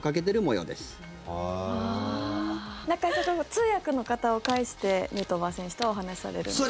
通訳の方を介してヌートバー選手とお話されるんですか？